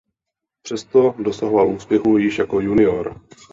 Přesto dosahoval úspěchů již jako junior.